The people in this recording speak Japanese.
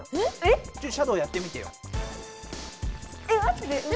ちょっとシャドーやってみてよ。